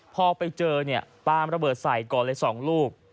พอไปเจอปาล์มระเบิดใส่ก่อนเลย๒ลูก